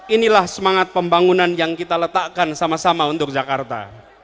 inilah semangat pembangunan yang kita letakkan sama sama untuk jakarta